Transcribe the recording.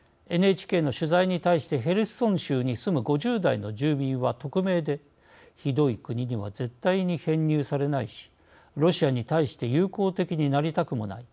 ＮＨＫの取材に対してヘルソン州に住む５０代の住民は匿名で「ひどい国には絶対に編入されないしロシアに対して友好的になりたくもない。